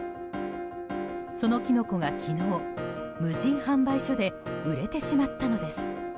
そのキノコが昨日、無人販売所で売れてしまったのです。